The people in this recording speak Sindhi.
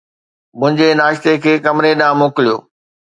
منهنجي ناشتي کي ڪمري ڏانهن موڪليو